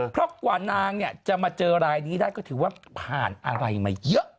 เพราะกว่านางจะมาเจอรายนี้ได้ก็ถือว่าผ่านอะไรมาเยอะ